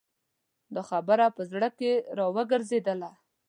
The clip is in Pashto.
دا خبره په زړه کې را وګرځېدله.